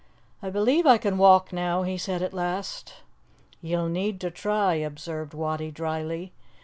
"I believe I can walk now," he said at last. "Ye'll need to try," observed Wattie dryly.